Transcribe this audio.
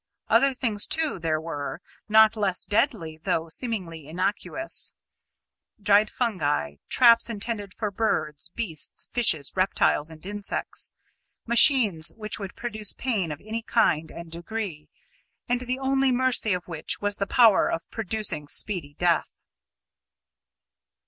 Other things, too, there were, not less deadly though seemingly innocuous dried fungi, traps intended for birds, beasts, fishes, reptiles, and insects; machines which could produce pain of any kind and degree, and the only mercy of which was the power of producing speedy death.